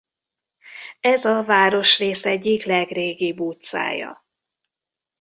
Ez a városrész egyik legrégibb utcája.